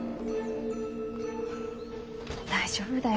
大丈夫だよ